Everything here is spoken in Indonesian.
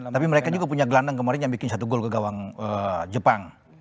tapi mereka juga punya gelandang kemarin yang bikin satu gol ke gawang jepang